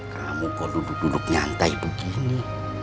kamu kok duduk duduk nyantai begini